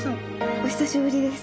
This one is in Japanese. お久しぶりです。